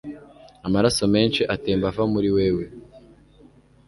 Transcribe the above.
amaraso menshi atemba ava muri wewe